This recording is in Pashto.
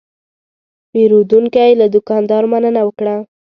پیرودونکی له دوکاندار مننه وکړه.